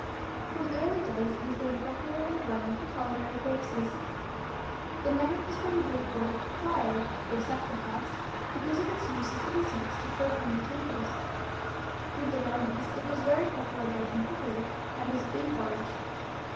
From early days it has been popularly grown for culinary purposes. The name is from the Greek word thyo, or sacrifice, because of its use as incense to perfume the temples. With the Romans it was very popular both in cookery and as a bee forage.